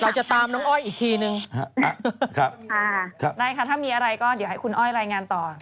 เราจะตามน้องอ้อยอีกทีหนึ่ง